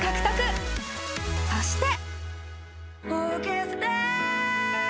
［そして］